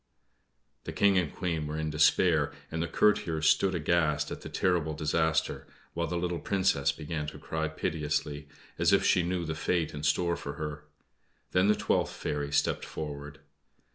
The King and Queen were in despair, and the courtiers stood aghast at the terrible disaster; while the little Princess began to cry piteously, as if she knew the fate in store for her. Then the twelfth fairy stepped forward.